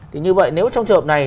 thì như vậy nếu trong trường hợp này